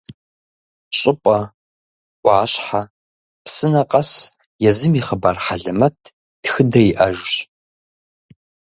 Щӏыпӏэ, ӏуащхьэ, псынэ къэс езым и хъыбар хьэлэмэт, тхыдэ иӏэжщ.